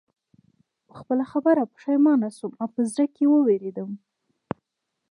په خپله خبره پښېمانه شوم او په زړه کې ووېرېدم